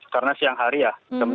karena siang hari ya jam sebelas